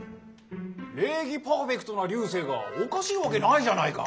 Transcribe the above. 礼儀パーフェクトな流星がおかしいわけないじゃないか。